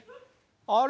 あれ？